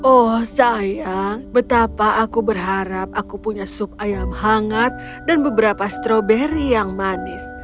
oh sayang betapa aku berharap aku punya sup ayam hangat dan beberapa stroberi yang manis